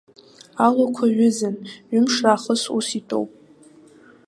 Алуқәа ҩызын, ҩымш раахыс ус итәоуп.